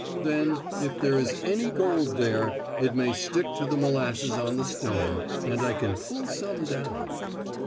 Then, if there is any gold there, it may stick to the molasses on the stone, and I can pull some down."